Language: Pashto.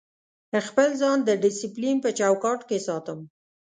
خپل ځان د ډیسپلین په چوکاټ کې ساتم.